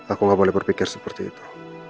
aku gak boleh berpikir seperti itu